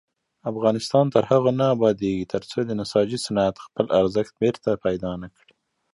افغانستان تر هغو نه ابادیږي، ترڅو د نساجي صنعت خپل ارزښت بیرته پیدا نکړي.